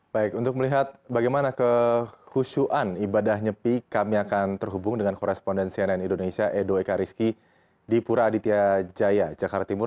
baik untuk melihat bagaimana kehusuan ibadah nyepi kami akan terhubung dengan koresponden cnn indonesia edo ekariski di pura aditya jaya jakarta timur